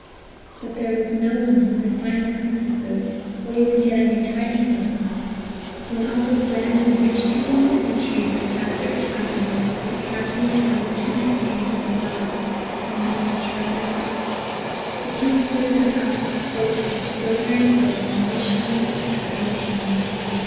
But there was no one who could find the Princesses, or even get any tidings of them. When all the grand and rich people in the country had had their turn, a captain and a lieutenant came to the Palace, and wanted to try their luck. The King fitted them out both with silver and gold, and wished them success on their journey.